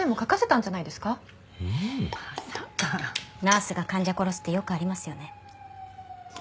ナースが患者殺すってよくありますよね。